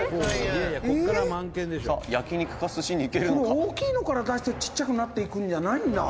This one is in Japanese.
「大きいのから出してちっちゃくなっていくんじゃないんだ！